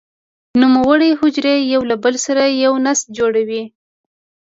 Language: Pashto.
نوموړې حجرې یو له بل سره یو نسج جوړوي.